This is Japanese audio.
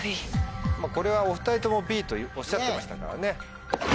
これはお２人ともＢとおっしゃってましたからね。